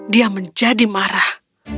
dia menjadi marah